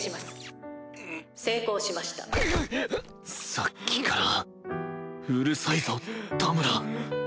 さっきからうるさいぞ田村。